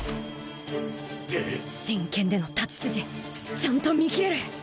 真剣での太刀筋ちゃんと見切れる！